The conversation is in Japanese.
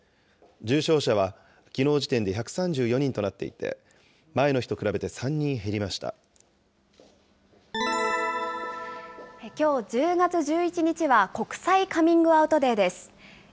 重症者はきのう時点で１３４人となっていて、前の日と比べて３人きょう１０月１１日は、国際カミングアウトデーです。